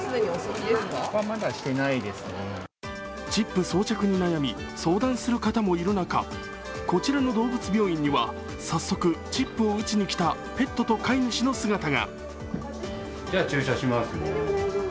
チップ装着に悩み相談する方もいる中こちらの動物病院には、早速、チップを打ちに来たペットと飼い主の姿が。